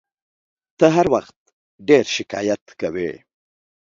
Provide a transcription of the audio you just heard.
ته هر وخت ډېر شکایت کوې !